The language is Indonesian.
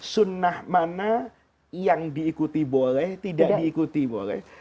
sunnah mana yang diikuti boleh tidak diikuti boleh